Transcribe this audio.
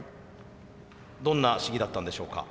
どんな試技だったんでしょうか？